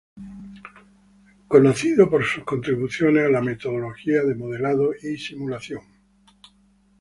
Es conocido por sus contribuciones a la metodología de modelado y simulación.